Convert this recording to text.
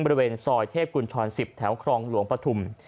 บริเวณซอยเทพกุญชร๑๐แถวครองหลวงปฐุม